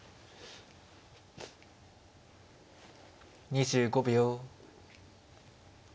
２５秒。